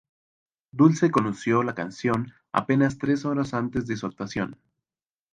Dulce conoció la canción apenas tres horas antes de su actuación.